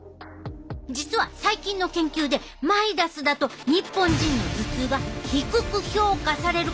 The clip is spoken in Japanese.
実は最近の研究でマイダスだと日本人の頭痛が低く評価されることが分かってきてん。